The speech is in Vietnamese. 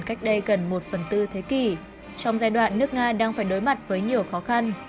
cách đây gần một phần tư thế kỷ trong giai đoạn nước nga đang phải đối mặt với nhiều khó khăn